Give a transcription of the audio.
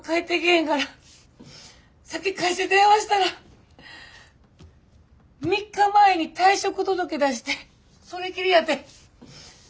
へんからさっき会社電話したら３日前に退職届出してそれきりやて。